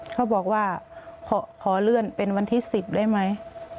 เขาบอกว่าขอเลื่อนเป็นวันที่๑๐ได้ไหม